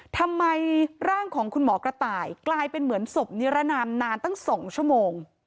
ทำไมร่างของคุณหมอกระต่ายกลายเป็นเหมือนศพนิรนามนานตั้ง๒ชั่วโมง